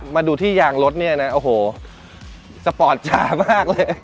มาดูที่ยางรถเนี่ยนะโอ้โหสปอร์ตยามากเลย